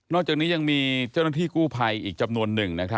นอกจากนี้ยังมีเจ้านักที่กู้ไพรอีกจำนวนนึง